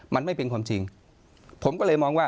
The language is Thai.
มันไม่เป็นความจริงผมก็เลยมองว่า